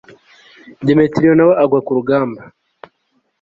demetiriyo na we agwa ku rugamba